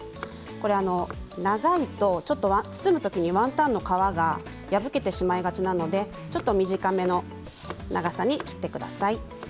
これ長いとちょっと包むときにワンタンの皮が破けてしまいがちなのでちょっと短めの長さに切ってください。